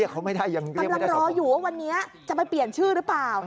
กำลังรออยู่ว่าวันนี้จะไปเปลี่ยนชื่อหรือเปล่า